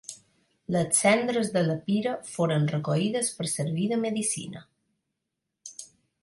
Les cendres de la pira foren recollides per servir de medicina.